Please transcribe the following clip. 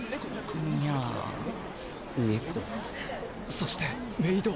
そしてメイド。